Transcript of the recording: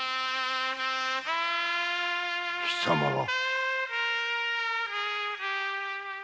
貴様は？